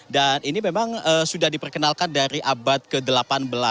ini memang sudah diperkenalkan dari abad ke delapan belas